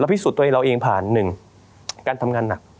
เราพิสูจน์ตัวเองถ้าผ่าน๑การทำงานหนัก